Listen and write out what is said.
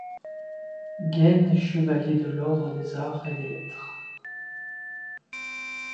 Gaines est chevalier de l'ordre des Arts et des Lettres.